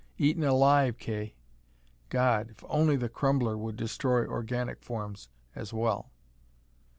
Eaten alive, Kay! God, if only the Crumbler would destroy organic forms as well!"